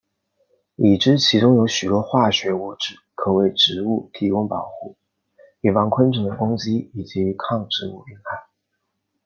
已知其中有许多化学物质可为植物提供保护以防昆虫的攻击以及抗植物病害。